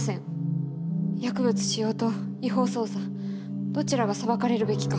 薬物使用と違法捜査どちらが裁かれるべきか。